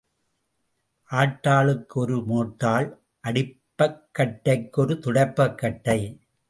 ஆட்டாளுக்கு ஒரு மோட்டாள் அடைப்பக் கட்டைக்கு ஒரு துடைப்பக் கட்டை.